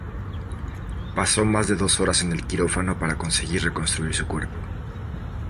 Pasó más de dos horas en el quirófano para conseguir reconstruir su cuerpo.